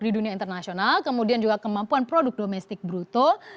di dunia internasional kemudian juga kemampuan produk domestik bruto